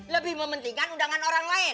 lebih mementingkan undangan orang lain